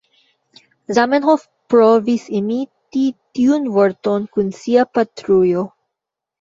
Zamenhof provis imiti tiun vorton kun sia "patrujo".